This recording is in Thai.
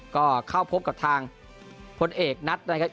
ก็เข้าพบกับทางพลเอกนัดนะครับ